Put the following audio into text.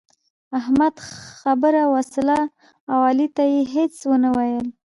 احمد خبره وسهله او علي ته يې هيڅ و نه ويل.